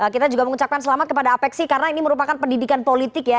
kita juga mengucapkan selamat kepada apeksi karena ini merupakan pendidikan politik ya